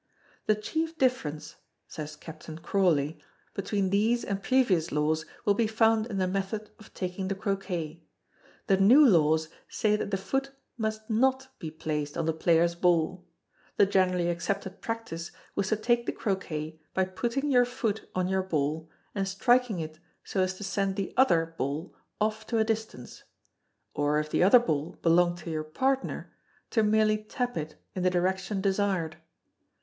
The chief difference (says Captain Crawley) between these and previous laws will be found in the method of taking the Croquet. The new laws say that the foot must not be placed on the player's ball; the generally accepted practice was to take the Croquet by putting your foot on your ball and striking it so as to send the other bill off to a distance; or if the other ball belonged to your partner to merely tap it in the direction desired.